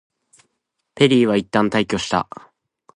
ペリーはいったん退去した。